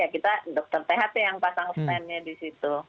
kita dokter tht yang pasang standnya di situ